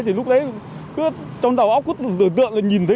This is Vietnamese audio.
thì lúc đấy cứ trong đầu óc cứ tự tự tượng là nhìn thấy